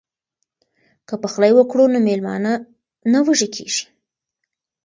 که پخلی وکړو نو میلمانه نه وږي کیږي.